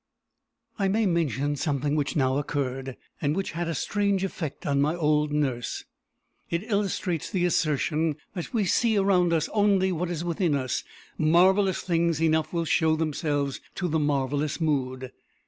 I may mention something which now occurred, and which had a strange effect on my old nurse. It illustrates the assertion that we see around us only what is within us: marvellous things enough will show themselves to the marvellous mood.